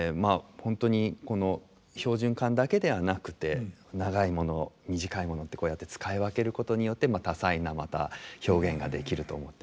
本当にこの標準管だけではなくて長いもの短いものってこうやって使い分けることによって多彩なまた表現ができると思ってます。